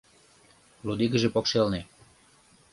Лудигыже покшелне